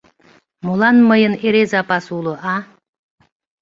Молан мыйын эре запас уло, а?